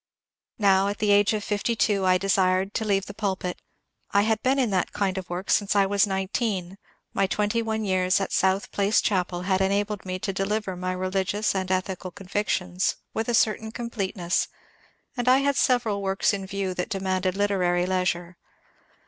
Now, at the age of fifty two, I desired to leave the pulpit I had been in that kind of work since I was nineteen, my twenty one years at South Place chapel had enabled me to deliver my religious and ethical convictions with a certain completeness, and I had several works in view that demanded literary leisure.